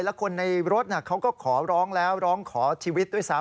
แล้วคนในรถเขาก็ขอร้องแล้วร้องขอชีวิตด้วยซ้ำ